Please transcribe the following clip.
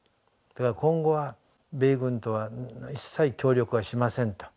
今後は米軍とは一切協力はしませんと。